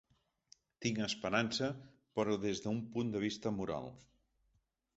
Tinc esperança, però des d’un punt de vista moral.